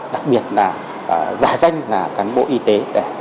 đặc biệt là giả danh là cán bộ y tế